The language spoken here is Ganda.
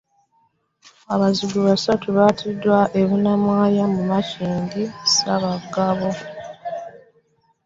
Abazigu basatu battiddwa e Bunnamwaya mu Makindye Ssaabagabo